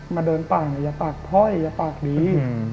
มาเดินปากอย่าปากพ่ออย่าปากดี